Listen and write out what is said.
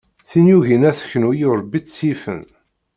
Tin yugin ad teknu i urebbit tt-yifen.